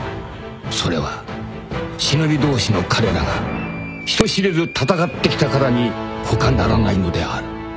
［それは忍び同士の彼らが人知れず戦ってきたからに他ならないのである］